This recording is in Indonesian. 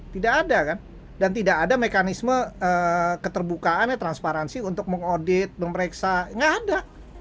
tidak ada kan dan tidak ada mekanisme keterbukaannya transparansi untuk mengaudit memeriksa tidak ada